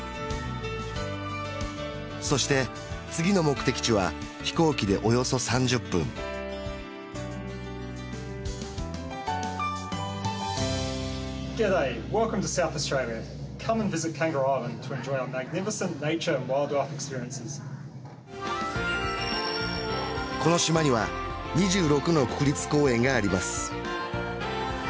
そして次の目的地は飛行機でおよそ３０分この島には２６の国立公園があります